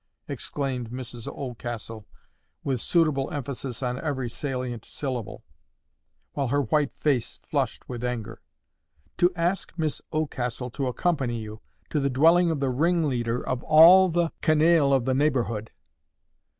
exclaimed Mrs Oldcastle, with suitable emphasis on every salient syllable, while her white face flushed with anger. "To ask Miss Oldcastle to accompany you to the dwelling of the ringleader of all the canaille of the neighbourhood!"